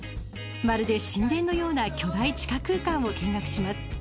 まるで神殿のような巨大地下空間を見学します。